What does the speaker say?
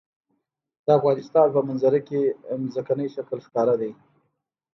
د افغانستان په منظره کې ځمکنی شکل ښکاره دی.